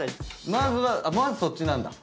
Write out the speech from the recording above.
まずはまずそっちなんだ。